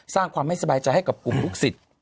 สร้างความไม่สบายใจให้กับกลุ่มลูกศิษย์